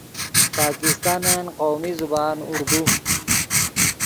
پاکستانن قومی زبان اردو